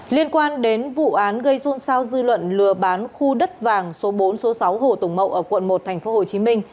liên quan đến vụ án gây xôn xao dư luận lừa bán khu đất vàng số bốn số sáu hồ tùng mậu ở quận một tp hcm